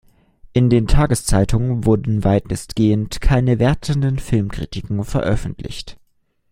In den Tageszeitungen wurden weitestgehend keine „wertenden Filmkritiken“ veröffentlicht.